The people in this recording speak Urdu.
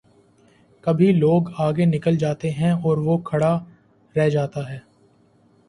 کبھی لوگ آگے نکل جاتے ہیں اور وہ کھڑا رہ جا تا ہے۔